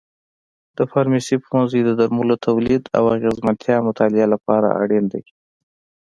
د فارمسي پوهنځی د درملو تولید او اغیزمنتیا مطالعې لپاره اړین دی.